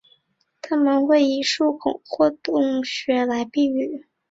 它们会以树孔或洞穴来避雨。